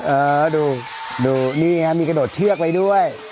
เออดูดูนี่ฮะมีกระโดดเชือกไปด้วย